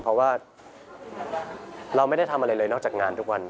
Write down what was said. เพราะว่าเราไม่ได้ทำอะไรเลยนอกจากงานทุกวัน